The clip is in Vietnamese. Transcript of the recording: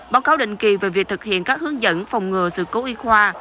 báo cáo định kỳ về việc thực hiện các hướng dẫn phòng ngừa sự cố y khoa